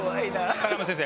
高山先生